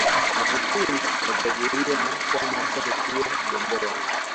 magufuli alichaguliwa na chama chake kuwa mgombea